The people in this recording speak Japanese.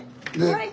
はい。